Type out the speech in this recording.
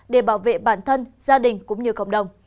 để bảo vệ bản thân gia đình cũng như cộng đồng